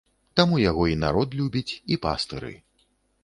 Таму яго і народ любіць, і пастыры.